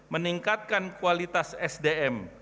meningkatkan kualitas sdm